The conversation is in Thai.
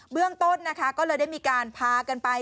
เรื่องต้นนะคะก็เลยได้มีการพากันไป